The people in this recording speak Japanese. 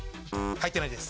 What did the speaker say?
入ってないです。